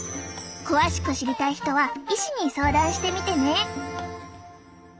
詳しく知りたい人は医師に相談してみてね。